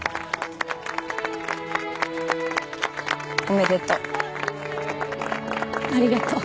おめでとう。